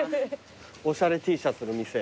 おしゃれＴシャツの店。